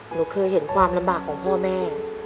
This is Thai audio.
หนูเคยเห็นความลำบากของพ่อแม่